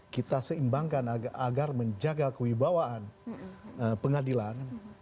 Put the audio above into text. kita seimbangkan agar menjaga kewibawaan pengadilan